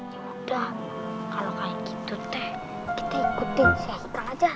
ya udah kalau kayak gitu teh kita ikutin saya seperang aja